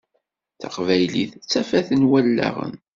Taqbaylit d tafat n wallaɣen.